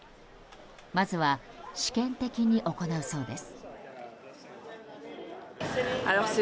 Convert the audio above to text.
まずは試験的に行うそうです。